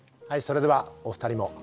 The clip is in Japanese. はいそれではお２人も。